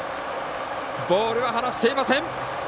ボールは離していません！